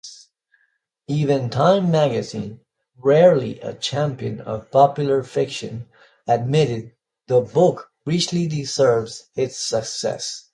Even "Time" magazine-rarely a champion of popular fiction-admitted, the book "richly deserves its success.